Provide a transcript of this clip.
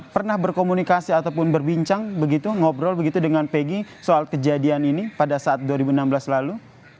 pernah berkomunikasi ataupun berbincang begitu ngobrol begitu dengan peggy soal kejadian ini pada saat dua ribu enam belas lalu